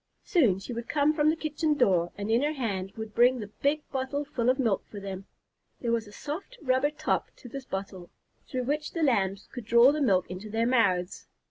Soon she would come from the kitchen door and in her hand would bring the big bottle full of milk for them. There was a soft rubber top to this bottle, through which the Lambs could draw the milk into their mouths.